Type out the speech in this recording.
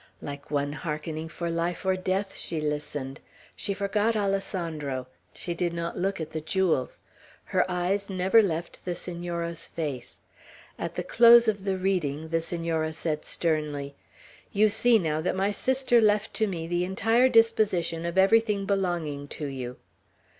Like one hearkening for life or death, she listened. She forgot Alessandro. She did not look at the jewels. Her eyes never left the Senora's face. At the close of the reading, the Senora said sternly, "You see, now, that my sister left to me the entire disposition of everything belonging to you."